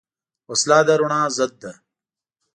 وسله د رڼا ضد ده